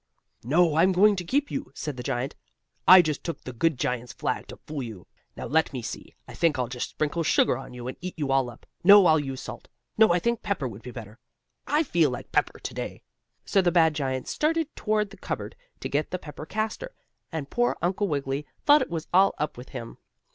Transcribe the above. "No, I'm going to keep you," said the giant. "I just took the good giant's flag to fool you. Now, let me see, I think I'll just sprinkle sugar on you and eat you all up no, I'll use salt no, I think pepper would be better; I feel like pepper to day." So the bad giant started toward the cupboard to get the pepper caster, and poor Uncle Wiggily thought it was all up with him.